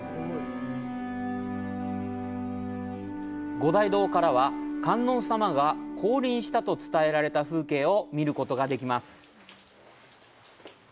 五大堂からは、観音様が降臨したと伝えられた風景を見ることができます。